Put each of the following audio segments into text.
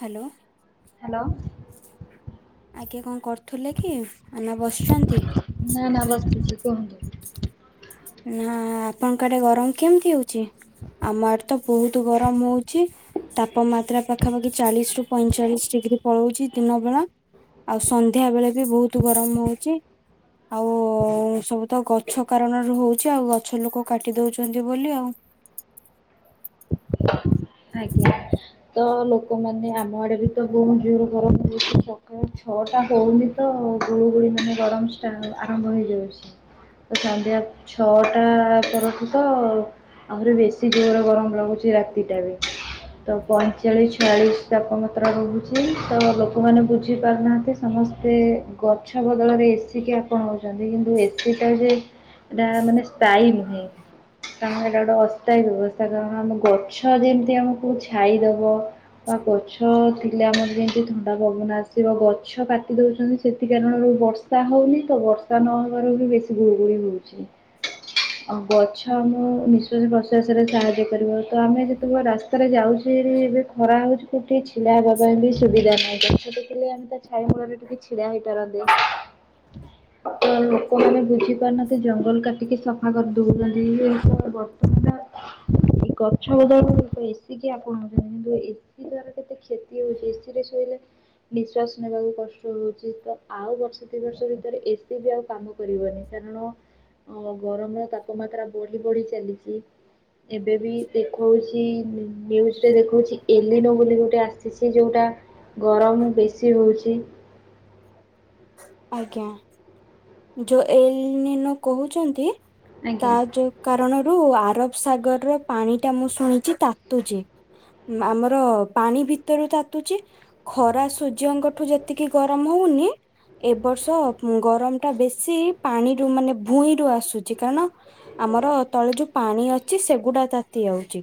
Hello. Hello. ଆଜ୍ଞା କଣ କରୁଥିଲେ କି ନା ବସିଛନ୍ତି। ନା ନା ବସିଥିଲି। କହନ୍ତୁ ନା ଆପଣଙ୍କ ଆଡେ ଗରମ କେମିତି ହଉଛି ଆମ ଆଡେ ତ ବହୁତ ଗରମ ହଉଛି ତାପମାତ୍ରା ପାଖାପାଖି ଚାଳିଶ ରୁ ପଇଁଚାଳିଶ ଡିଗ୍ରୀ ପଳଉଛି ଦିନ ବେଳା ଆଉ ସନ୍ଧ୍ୟା ବେଳେ ବି ବହୁତ ଗରମ ହଉଛି ଆଉ ସବୁ ତ ଗଛ କାରଣରୁ ହଉଛି ଆଉ ଗଛ ଲୋକ କାଟି ଦଉଛନ୍ତି ବୋଲି ଆଉ ଆଜ୍ଞା। ତ ଲୋକମାନେ ଆମ ଆଡେ ବି ତ ବହୁ ଜୋର ଗରମ ହଉଛି। ଏ ଛଅଟା ହଉନି। ତ ଗୁଳୁଗୁଳି ମାନେ ଗରମ ଷ୍ଟା ଆରମ୍ଭ ହେଇଯାଉଛି ତ ସନ୍ଧ୍ୟା ଛଅ ଟା ପରଠୁ ତ ଆହୁରି ବେଶି ଜୋରେ ଗରମ ଲାଗୁଛି ରାତିଟା ବି। ତ ପଇଁଚାଳିଶ ଛୟାଳିଶ ତାପମାତ୍ରା ରହୁଛି ତ ଲୋକମାନେ ବୁଝିପାରୁନାହାନ୍ତି ସମସ୍ତେ ଗଛ ବଦଳରେ ଏ ସି କି ଆପଣାଉଛନ୍ତି କିନ୍ତୁ ଏ ସି ଟା ଯେ ଏଇଟା ମାନେ ସ୍ଥାୟୀ ନୁହେଁ କାରଣ ଏଇଟା ଗୋଟେ ଅସ୍ଥାୟୀ ବ୍ୟବସ୍ଥା କାରଣ ଆମ ଗଛ ଯେମିତି ଆମକୁ ଛା ଛାଇ ଦବ ବା ଗଛ ଥିଲେ ଆମର ଯେମିତି ଥଣ୍ଡା ପବନ ଆସିବ ଗଛ କାଟି ଦେଉଛନ୍ତି ସେଥି କାରଣରୁ ବର୍ଷା ହଉନି ତ ବର୍ଷା ନହବାରୁ ବି ବେଶି ଗୁଳୁଗୁଳି ହଉଛି। ଆ ଗଛ ଆମ ନିଶ୍ଵାସ ପ୍ରଶ୍ଵାସରେ ସାହାଯ୍ୟ କରିବା ତ ଆମେ ଯେତେବେଳେ ରାସ୍ତାରେ ଯାଉଛେ ଏବେ ଖରା ହଉଛି କୋଠିଛି ପିଲା ହେବା ପାଇଁ ବି ସୁବିଧା ନାହିଁ। ଗଛ ଦେଖିଲେ ଆମେ ତା ଛାଇ ମୂଳରେ ଟିକେ ଛିଡା ହେଇପାରନ୍ତେ ତ ଲୋକମାନେ ବୁଝି ପାରୁନାହାନ୍ତି ଜଙ୍ଗଲ କାଟିକି ସଫା କରି ଦଉଛନ୍ତି ବର୍ତ୍ତମାନ ଏ ଗଛ ବଦଳରେ ଏସି ଆପଣଛନ୍ତି କିନ୍ତୁ ଏସି ଦ୍ଵାରା କେତେ କ୍ଷତି ହଉଛି ଏସି ରେ ଶୋଇଲେ ନିଶ୍ଵାସ ନେବାକୁ କଷ୍ଟ ହଉଛି ତ ଆଉ ବର୍ଷ ଦୁି ବର୍ଷ ଭିତରେ ଏସି ବି ଆଉ କାମ କରିବନି କାରଣ ଗରମର ତାପମାତ୍ରା ବଢି ବଢି ଚାଲିଛି। ଏବେ ବି ଦେଖଉଛି ତିନ ନିୟୁଜ୍ ରେ ଦେଖଉଛି ଏଲିନୋ ବୋଲି ଗୋଟେ ଆସିଛି ଯୋଉଟା ଗରମ ବେଶି ହଉଛି। ଆଜ୍ଞା। ଯୋ ଏଲିନୋ କହୁଛନ୍ତି। ତା ଆଜ୍ଞା। ଯୋଉ କାରଣ ରୁ ଆରବ ସାଗରର ପାଣି ଟା ମୁଁ ଶୁଣିଛି ତାତୁଛି ଆମର ପାଣି ଭିତରୁ ତାତୁଛି ଖରା ସୂର୍ଯ୍ୟଙ୍କଠୁ ଯେତିକି ଗରମ ହଉନି ଏବର୍ଷ ଅ ଗରମରୁ ଟା ବେଶି ପାଣିରୁ ମାନେ ଭୂଇଁରୁ ଆସୁଛି କାରଣ ଆମର ତଳେ ଯୋଉ ପାଣି ଅଛି ସେଗୁଡା ତାତି ଯାଉଛି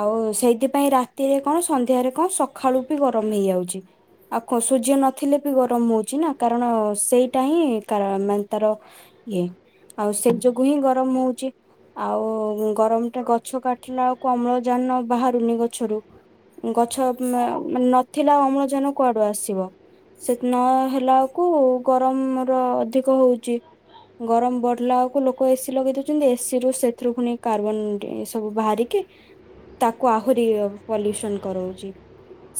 ଆଉ ସେଇଥିପାଇ ରାତିରେ କଣ ସନ୍ଧ୍ୟାରେ କଣ ସକାଳୁ ବି ଗରମ ହେଇଯାଉଛି ଆଉ ସୂର୍ଯ୍ୟ ନଥିଲେ ବି ଗରମ ହଉଛି ନା କାରଣ ସେଇଟା ହିଁ [unintelligible] ତାର ଇଏ ଆଉ ସେ ଯୋଗୁ ହିଁ ଗରମ ହଉଛି ଆଉ ଗରମଟା ଗଛ କାଟିଲାଳାକୁ ଅମ୍ଳଜାନ ବାହାରୁନି ଗଛରୁ ଗଛ ନ ନଥିଲା ଅମ୍ଳଜାନ କୁଆଡୁ ଆସିବ ସେ ନ ହେଲାଳାକୁ ଗରମ ର ଅଧିକ ହଉଛି ଗରମ ବଢିଲାଳାକୁ ଲୋକ ଏସିି ଲଗେଇ ଦଉଛନ୍ତି ଏସି ରୁ ସେଥିରୁ ପୁଣି କାର୍ବନ ଉ ସବୁ ବାହାରିକି ତାକୁ ଆହୁରି ପଲ୍ୟୁସନ କରଉଛି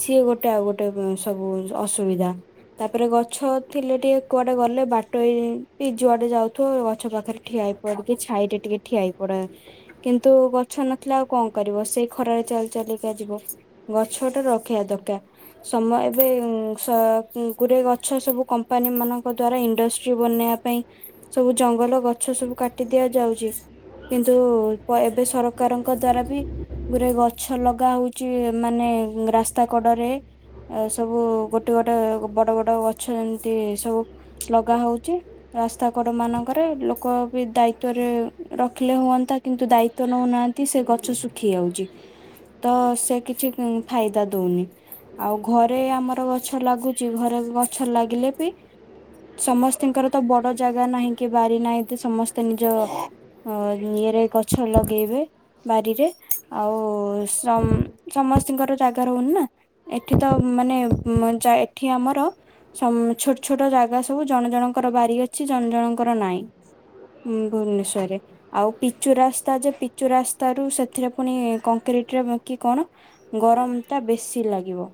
ସିଏ ଗୋଟେ ଆଉ ଗୋଟେ ସବୁ ଅସୁବିଧା ତାପରେ ଗଛ ଥିଲେ ଟିକେ କ୍ୱା ଟେ ଗଲେ ବାଟୋଇ ଯୁଆଡେ ଯାଉଥିବ ଗଛ ପାଖରେ ଠିଆ ପଡ଼ିକି ଛାଇରେ ଟିକେ ଠିଆ ହେଇ ପଡ଼େ କିନ୍ତୁ ଗଛ ନଥିଲା ଆଉ କଣ କରିବ ସେଇ ଖରାରେ ଚାଲି ଚାଲିକା ଯିବ ଗଛଟା ରଖିବା ଦରକାର ସମୟ ଏବେ ସ ଗୁରେ ଗଛ ସବୁ କମ୍ପାନୀ ମାନ ଦ୍ଵାରା ଇଣ୍ଡଷ୍ଟ୍ରି ବନେଇବା ପାଇଁ ସବୁ ଜଙ୍ଗଲ ଗଛ ସବୁ କାଟି ଦିଆ ଯାଉଛି କିନ୍ତୁ ପ ଏବେ ସରକାରଙ୍କ ଦ୍ଵାରା ବି ଗୁରେ ଗଛ ଲଗା ହଉଛି ମାନେ ରାସ୍ତା କଡରେ ଏ ସବୁ ଗୋଟେ ଗୋଟେ ବଡ ବଡ ଗଛ ଏମିତି ସବୁ ଲଗା ହଉଛି ରାସ୍ତା କଡ ମାନଙ୍କରେ ଲୋକ ବି ଦାୟିତ୍ଵରେ ରଖିଲେ ହୁଅନ୍ତା କିନ୍ତୁ ଦାୟିତ୍ଵ ନଉନାହାନ୍ତି ସେ ଗଛ ଶୁଖି ଯାଉଛି ତ ସେ କିଛି ଫାଇଦା ଦଉନି ଆଉ ଘରେ ଆମର ଗଛ ଲାଗୁଛି ଘରେ ଗଛ ଲାଗିଲେ ବି ସମସ୍ତଙ୍କର ତ ବଡ ଜାଗା ନାହିଁ କି ବାରି ନାହିଁ ତ ସମସ୍ତେ ନିଜ ଇଏରେ ଗଛ ଲଗେଇବେ ବାରିରେ ଆଉ ସମ ସମସ୍ତଙ୍କର ଜାଗା ରହୁନି ନା ଏଠି ତ ମାନେ ଏଠି ଆମର ଛୋଟ ଛୋଟ ଜାଗା ଜାଗା ସବୁ ଜଣେ ଜଣଙ୍କର ବାରି ଅଛି ଜଣ ଜଣଙ୍କର ନାଇଁ ଭୁବନେଶ୍ୱରରେ ଆଉ ପିଚୁ ରାସ୍ତା ଯେ ପିଚୁ ରାସ୍ତତା ରୁ ସେଥିରେ ପୁଣି କଂକ୍ରିଟରେ କି କଣ ଗରମ ଟା ବେଶି ଲାଗିବ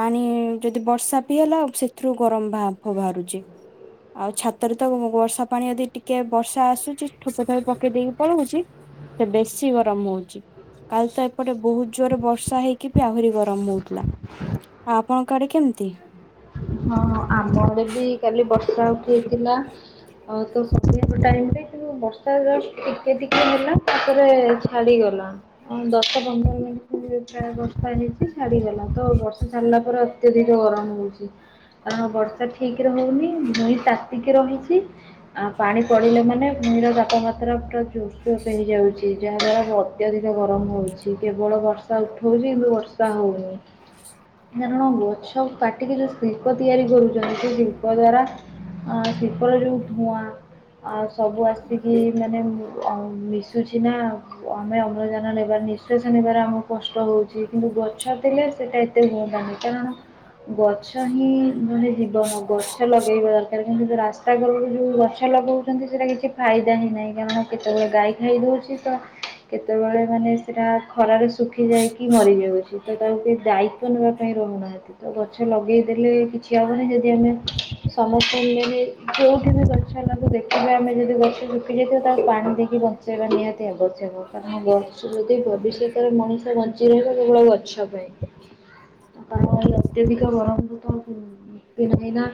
ପାଣି ଯଦି ବର୍ଷା ପିଇ ହେଲା ସେଥିରୁ ଗରମ ଭ ବାହାରୁ ଆଉ ଛାତରେ ତ ବର୍ଷା ପାଣି ଯଦି ଟିକେ ବର୍ଷା ଆସୁଛି ଠୋପେ ଠୋପେ ପକେଇ ଦେଇକି ପଳଉଛି ସେ ବେଶି ଗରମ ହଉଛି କାଲି ତ ଏପଟେ ବହୁତ ଜୋରରେ ବର୍ଷା ହେଇକି ବି ଆହୁରି ଗରମ ହଉଥିଲା ଆଉ ଆପଣଙ୍କ ଆଡେ କେମିତି ହଁ ଆମ ଆଡେ ବି କାଲି ବର୍ଷା ଉଠେଇଥିଲା ଆ ତ ଟାଇ ରେ କିନ୍ତୁ ବର୍ଷା ଏ ଟିକିଏ ହେଲା ରେ ଛାଡିଗଲା ଦଶ ପନ୍ଦର ମିନିଟରେ ତିନି ଠାଏ ବର୍ଷା ହେଇଛି। ଛାଡ଼ିଗଲା ତ ବର୍ଷା ସାରିଲା ପରେ ଅତ୍ୟଧିକ ଗରମ ହଉଛି। କାରଣ ବର୍ଷା ଠିକରେ ହଉନି ଭୂଇଁ ତାତିକି ରହିଛି ଆ ପାଣି ପଡିଲେ ମାନେ ଭୂଇଁ ର ତାପମାତ୍ରା ପୁରା ଜୋରସୋର ହେଇଯାଉଛି ଯାହା ଦ୍ଵାରା ଅତ୍ୟଧିକ ଗରମ ହଉଛି କେବଳ ବର୍ଷା ଉଠଉଛି କିନ୍ତୁ ବର୍ଷା ହଉନି କାରଣ ଗଛ କାଟିକି ଯୋ ଶିଳ୍ପ ତିଆରି କରୁଛନ୍ତି ସେ ଶିଳ୍ପ ଦ୍ଵାରା ଆ ତାର ଯୋଉ ଧୂଆଁ ସବୁ ଆସିକି ମାନେ ଅ ମିଶିକି [unintelligible] ଆମେ ଅମ୍ଲଜାନ ନେବାର ନିଶ୍ୱାସ ନେବାରେ ଆମକୁ କଷ୍ଟ ହଉଛି କିନ୍ତୁ ଗଛ ଥିଲା ସେଇଟା [unintelligible] ନାହିଁ କାରଣ ଗଛ [unintelligible] ଜୀବନ ଗଛ ଲଗେଇବା ଦରକାର । କିନ୍ତୁ ରାସ୍ତାକଡରୁ ଯେଉଁ ଗଛ ଲଗଉଛନ୍ତି, ସେଇଟା କିଛି ଫାଇଦା ହିଁ ନାହିଁ । କାରଣ କେତେବେଳେ ଗାଈ ଖାଇ ଦେଉଛି, ତ କେତେବେଳେ, ମାନେ, ସେଇଟା ଖରାରେ ସୁ ଶୁଖିଯାଇକି ମରିଯାଉଛି ତ ତାଙ୍କେ ଦାୟିତ୍ୱ ନେବା ପାଇଁ ରହୁନାହାନ୍ତି ତ ଗଛ ଲଗେଇ କେହି କିଛି, ଆବ ନାହିଁ । ଯଦି ଆମେ ସମସ୍ତଙ୍କୁେ [unintelligible] ବି ହଁ [unintelligible] ଗଛ ହେଲାକୁ ଦେଖିବା । ଆମେ ଯଦି ଗଛ ଶୁଖି ଯାଇଥିବ, ତାକୁ ପାଣି ଦେଇକି ବଞ୍ଚେଇବା ନିହାତି ଆବଶ୍ୟକ । କାରଣ, ଗଛ ଯଦି, ଭବିଷ୍ୟତରେ ମଣିଷ ବଞ୍ଚି ରହିବ, ସେଭଳି [unintelligible] ଗଛ ପାଇଁ । କାରଣ ଅତ୍ୟଧିକ ଗରମ ତିନି ଦିନ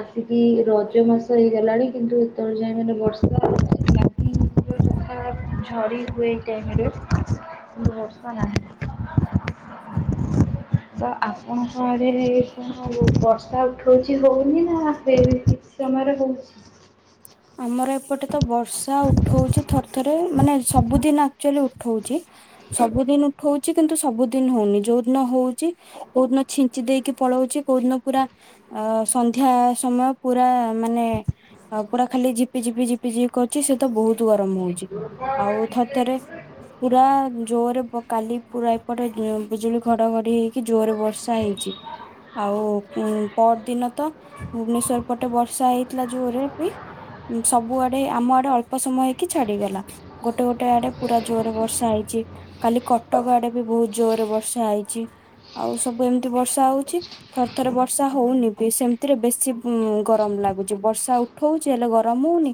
ଆସିକି ରଜ ମାସ ହେଇଗଲାଣି, କିନ୍ତୁ ଯାଇ ମାନେ ବର୍ଷା [unintelligible] ହେଛି ଝରି ହୁଏ ଟାଇମରେ ବର୍ଷା ନାହିଁ। ତ ଆପଣଙ୍କ ଆଡ଼େ ଆଉ ବର୍ଷା ଉଠଉଛି ହଉନି ନା ଆପେ [unintelligible] ଠିକ୍ ସମୟରେ ହଉଛି । ଆମର ଏପଟେ ତ ବର୍ଷା ଉଠଉଛି, ଥରେ ଥରେ, ମାନେ, ସବୁଦିନ ଆକ୍ଚୁଆଲି, ଉଠଉଛି । ସବୁଦିନ ଉଠଉଛି, କିନ୍ତୁ ସବୁଦିନ ହଉନି । ଯୋଉ ଦିନ ହଉଛି, କୋଉ ଦିନ ଛିଞ୍ଚି ଦେଇକି ପଳଉଛି, କୋଉ ଦିନ ପୁରା, ଅଁ, ସନ୍ଧ୍ୟା ସମୟ ପୁରା, ମାନେ, ଆ ପୁରା ଖାଲିି, ଝିପି ଝିପି, ଝିପି ଝିପି କରୁଛି । ସେ ତ ବହୁତ ୁ [unintelligible] ଆରମ୍ଭ ହଉଛି ଆଉ ଥଥରେ ପୁରା ଜୋରେ [unintelligible] କାଲି ପୁରା ଏପଟେ [unintelligible] ବିଜୁଳି ଘଡଘଡି ହେଇ [unintelligible] ଜୋରରେ ବର୍ଷା ହେଇଛି ଆଉ ।ଉଁ, ପର ଦିନ ତ ଭୁବନେଶ୍ଵର ପଟେ ବର୍ଷା ହେଇଥିଲା, ଜୋରରେ ବି ସବୁଆଡେ, ଆମ ଆଡେ ଅଳ୍ପ ସମୟ ହେଇ ଇକି ଛାଡିଗଲା । ଗୋଟେ ଗୋଟେ ଆଡେ ପୁରା ଜୋରରେ ବର୍ଷା ହେଇଛି । କାଲି କଟକ ଆଡେ ବି ବହୁତ ଜୋରରେ ବର୍ଷା ହେଇଛି ଆଉ । ସବୁ ଏମିତି ବର୍ଷା ହଉଛି, ଥରେ ଥରେ ବର୍ଷା ହଉନି ବି । ସେମିତିରେ ବେଶି, ଉଁ, ଗରମ ଲାଗୁଛି ବର୍ଷା ଉଠଉଛି, ହେଲେ ଗରମ ହଉନି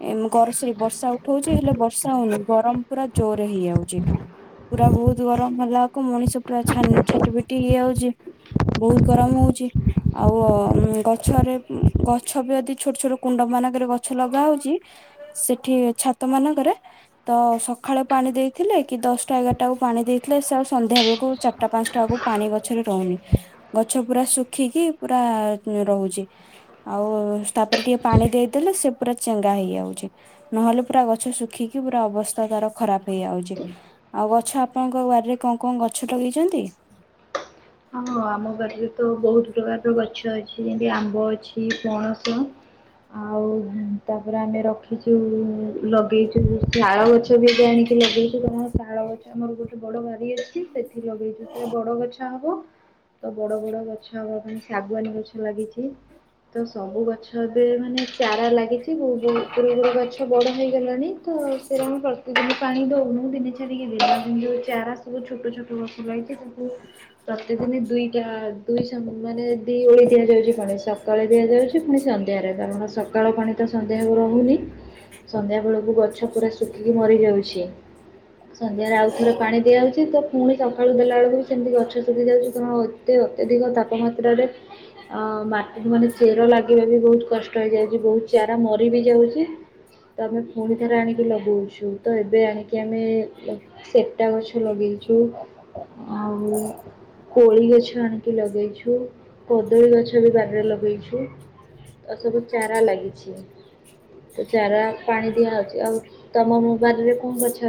। ଏଁ [unintelligible] ବର୍ଷା ଉଠଉଛି, ହେଲେ ବର୍ଷା ହଉନି । ଗରମ ପୁରା ଜୋରେ ହେଇଯାଉଛି । ପୁରା ବହୁତ ଗରମ ହେଲା କୁ ମଣିଷ ପୁରା ଛାନି ଛାଟି ଫିଟି ହେଇଯାଉଛି । ବହୁତ ଗରମ ହଉଛି ଆଉ । ମଁ, ଗଛରେ ଗଛ ବି, ଯଦି ଛୋଟ ଛୋଟ କୁଣ୍ଡ ମାନଙ୍କରେ ଗଛ ଲଗା ହଉଛି ।ସେଠି ଛାତ ମାନଙ୍କରେ ତ, ସକାଳେ ପାଣି ଦେଇଥିଲେ କି, ଦଶଟା ଏଗାରଟା ବକୁ ପାଣି ଦେଇଥିଲେ । ସେ ସନ୍ଧ୍ୟା ବେଳକୁ, ଚାରିଟା ପାଞ୍ଚଟା ବଳକୁ, ପାଣି ଗଛରେ ରହୁନି । ଗଛ ପୁରା ଶୁଖିକି ପୁରା ରହୁଛି ଆଉ। ତାପରେ ଟିକେ ପାଣି ଦେଇଦେଲେ, ସେ ପୁରା ଚେଙ୍ଗା ହେଇଯାଉଛି । ନହେଲେ, ପୁରା ଗଛ ଶୁଖିକି ପୁରା ଅବସ୍ଥା ତାର ଖରାପ ହେଇଯାଉଛି ଆଉ । ଗଛ, ଆପଣଙ୍କ ବାଡିରେ କଣ କଣ ଗଛ ଲଗେଇଛନ୍ତି? ଆମ, ଆମ ବାଡ଼ିରେ ତ ବହୁତ ପ୍ରକାରର ଗଛ ଅଛି । ଯେମିତି, ଆମ୍ବ ଅଛି, ପଣସ, ଆଉ ତାପରେ ଆମେ ରଖିଛୁ, ଲଗେଇଛୁ। ଲାଳ ଗଛ ବି ଏବେ ଆଣି ସେଠି ଲଗେଇଛୁ ।ଶାଳ ଗଛ, ଆମର ଗୋଟେ ବଡ଼ ବାାରି ଅଛି ।ସେଠି ଲଗେଇଛୁ । ସେଟା ବଡ଼ ଗଛ ହବ ତ, ବଡ ବଡ ଗଛ ଆମର, ମାନେ, ଶାଗୁଆାନୀ ଗଛ ଲାଗିଛି ।ତ, ସବୁ ଗଛ ବି, ମାନେ ଚାରା ଲାଗିଛି । [unintelligible] ବ ପୁ ପୁଡ [unintelligible] ଗଛ ବଡ ହେଇଗଲାଣି । ତ ସେଇ [unintelligible] ରେ ପ୍ରତିଦିନ ପାଣି ଦଉନୁ, ଦିନେ ଛାଡ଼ିକି ଦିନେ [unintelligible] ଦେବା ଦ ଯଉ [unintelligible] ଚାରା ସବୁ । ଛୋଟ ଛୋଟ ବସୁ ରହିଛି ସବୁ [inaudible] ପ୍ରତି ଦିନ, ଦୁଇଟା ଦୁଇ ସମ୍ ମାନେ ଦି ଓଳି ଦିଆଯାଉଛି ପାଣି । ସକାଳେ ଦିଆଯାଉଛି, ପୁଣି ସନ୍ଧ୍ୟାରେ ।କାରଣ, ସକାଳ ପାଣି ତ ସନ୍ଧ୍ୟାକୁ ରହୁନି । ସନ୍ଧ୍ୟା ବେଳକୁ ଗଛ ପୁରା ଶୁଖିକି ମରିଯାଉଛି । ସନ୍ଧ୍ୟାରେ ଆଉ ଥରେ ପାଣି ଦିଆହଉଛି, ତ ପୁଣି ସକାଳୁ ଦେଲାବେେଳକୁ ବି ସେମିତି ଗଛ [unintelligible] ଯାଉ। କାରଣ, ଏତେ ଅତ୍ୟଧିକ ତାପମାତ୍ରାରେ ଅଁ ମାଟି ମାନେ ଚେର ଲାଗିବା ବି ବହୁତ କଷ୍ଟ ହେଇଯାଉଛି । ବହୁତ ଚାରା ମରି ବି ଯାଉଛି । ତ, ଆମେ ପୁଣି ଥରେ ଆଣିକି ଲଗଉଛୁ । ତ, ଏବେ ଆଣିକି ଆମେ ସେଟା ଗଛ ଲଗେଇଛୁ ଆଉ କୋଳି ଗଛ ଆଣିକି ଲଗେଇଛୁ । କଦଳୀ ଗଛ ବି ବାରିରେ ଲଗେଇଛୁ । ତ ସବୁ ଚାରା ଲାଗିଛି ତଚାରା। ପାଣି ଦିଆହଉଛି ଆଉ ତମ ମୋବାଇଲ ରେ କଣ ଅଛି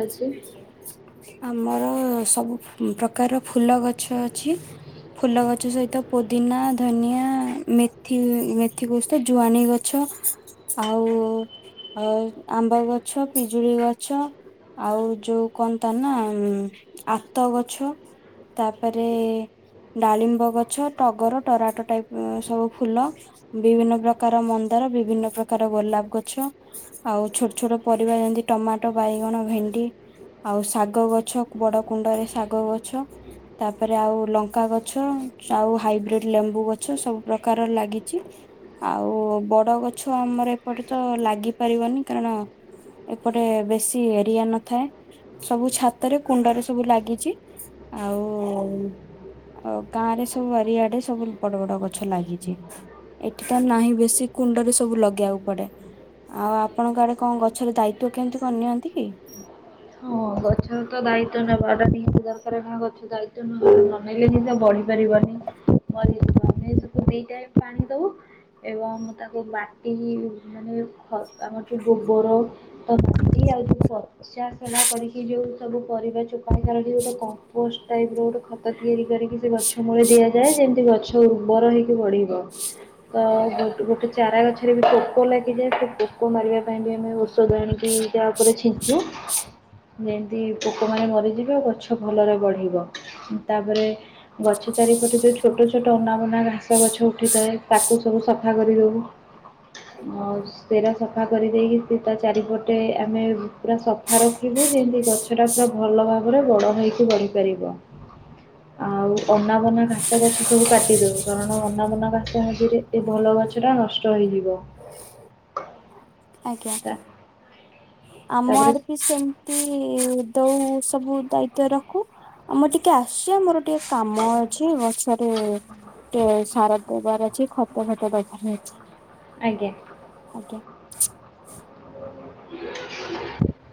ଆମର ସବୁ ପ୍ରକାରର ଫୁଲ ଗଛ ଅଛି ଫୁଲ ଗଛ ସହିତ ପୋଦିନା ଧନିଆ ମେଥି ମେଥି କୋଷ ଜୁଆଣୀ ଗଛ ଆଉ ଅ ଆମ୍ବ ଗଛ ପିଜୁଳି ଗଛ। ଆଉ ଯୋଉ କହନ୍ତା ନା ଆତ ଗଛ ତାପରେ ଡାଳିମ୍ବ ଗଛ ଟଗର ଟରାଟ ଟାଇପ ସବୁ ଫୁଲ ବିଭିନ୍ନ ପ୍ରକାର ମନ୍ଦାର ବିଭିନ୍ନ ପ୍ରକାର ଗୋଲାପ ଗଛ ଆଉ ଛୋଟ ଛୋଟ ପରିବା ଯେମିତି ଟମାଟୋ ବାଇଗଣ। ଭେଣ୍ଡି ଆଉ ଶାଗ ଗଛ ବଡ଼ କୁଣ୍ଡରେ ଶାଗ ଗଛ ତାପରେ ଆଉ ଲଙ୍କା ଗଛ ଆଉ ହାଇବ୍ରିଡ ଲେମ୍ବୁ ଗଛ ସବୁ ପ୍ରକାର ଲାଗିଛି ଆଉ ବଡ ଗଛ ଆମର ଏପଟେ ତ ଲାଗିପାରିବନି କାରଣ ଏପଟେ ବେଶୀ। ଏ ରିଆ ନଥାଏ ସବୁ ଛାତରେ କୁଣ୍ଡରେ ସବୁ ଲାଗିଛି ଆଉ ଗାଁ ରେ ସବୁ ବାରିଆଡେ ସବୁ ବଡ ବଡ ଗଛ ଲାଗିଛି ଏଠି ତ ନାହିଁ ବେଶୀ କୁଣ୍ଡରେ ସବୁ ଲଗେଇବାକୁ ପଡେ ଆଉ ଆପଣଙ୍କ ଆଡେ କଣ ଗଛର ଦାୟିତ୍ଵ କେମିତି କରିନିଅନ୍ତି କି? ହଁ ଗଛ ତ ଦାୟିତ୍ଵ ନେବାଟା ନିତି ଦରକାର ନା ଗଛ ଦାୟିତ୍ଵ ନ ନେଲେ ହିଁ ତ ବଢି ପାରିବନି ମ ଆମେ ସୁ ଦ ଟାଇ ପାଣି ଦବୁ ଏବଂ ତାକୁ ବାଟି ମାନେ ଆମର ଯୋଉ ଗୋବର ତ ଆଉ ଯୋଉା ସୋ [inaudible] କରିକି ଯୋଉ ସବୁ ପରିବା ଚୋପାଣି କାର ଗୋଟେ କମ୍ପୋଷ୍ଟ ଟାଇପ ର ଗୋଟେ ଖତ ତିଆରି କରିକି ସେ ଗଛ ମୂଳେ ଦିଆଯାଏ ଯେମିତି ଗଛ ଉର୍ବର ହେଇକି ବଢିବ ତ ଗୋଟେ ଚାରା ଗଛରେ ବି ପୋକ ଲାଗିଯାଏ ସେ ପୋକ ମାରିବା ପାଇଁ ବି ଆମେ ଔଷଧ ଆଣିକି ତା ଉପରେ ଛିଞ୍ଚୁ ଯେମତି ପୋକମାନେ ମରିଯିବେ ଗଛ ଭଲରେ ବଢିବ ତାପରେ ଗଛ ଚାରିପଟେ ଯୋଉ ଛୋଟ ଛୋଟ ଅନାବନା ଘାସ ଗଛ ଉଠିଥାଏ ତାକୁ ସବୁ ସଫା କରିଦବୁ ସେରା ସଫା କରିଦେଇକି ସେ ତା ଚାରିପଟେ ଆମେ ପୁରା ସଫା ରଖିବୁ ଏମିତି ଗଛ ଟା ପୁରା ଭଲ ଭାବରେ ବଡ ହେଇକି ବଢିପାରିବ । ଆଉ ଅନାବନା ଘାସ ଗଛ ସବୁ କାଟି ଦଉ କାରଣ ଅନାବନା ଘାସ ହଜିରେ ଏ ଭଲ ଗଛ ଟା ନଷ୍ଟ ହେଇଯିବ । ଆଜ୍ଞା । ଆମ ତାପରେ ଆଡ ବି ସେମତି ତ ସବୁ ଦାୟିତ୍ଵ ରଖୁ ଆମର ଟିକେ ଆସଛି ଆମର ଟିକେ କାମ ଅଛି ଗଛରେ ଟେ ସାର ଦେବାର ଅଛି ଖତ ଖତ ବ୍ୟବାର ହେଇଛି ଆଜ୍ଞା । [inaudible]